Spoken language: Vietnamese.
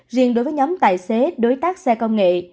riêng đối với nhóm tài xế đối tác xe công nghệ